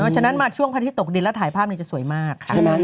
ฉะนั้นมาช่วงพระทิศตกแดดแล้วถ่ายภาพนี้จะสวยมาก